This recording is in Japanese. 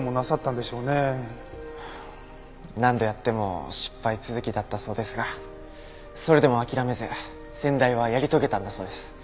何度やっても失敗続きだったそうですがそれでも諦めず先代はやり遂げたんだそうです。